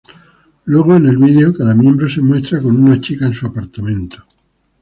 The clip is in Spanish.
Luego en el vídeo, cada miembro se muestra con una chica en su apartamento.